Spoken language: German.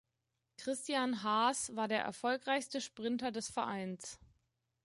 Christian Haas war der erfolgreichste Sprinter des Vereins.